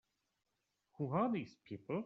Who are these people?